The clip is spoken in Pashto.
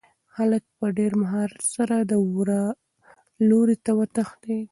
هلک په ډېر مهارت سره د وره لوري ته وتښتېد.